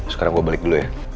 sekarang gue balik dulu ya